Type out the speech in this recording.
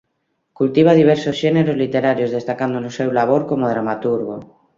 Cultiva diversos xéneros literarios destacando no seu labor como dramaturgo.